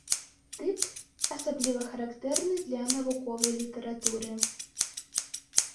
Тып, асабліва характэрны для навуковай літаратуры.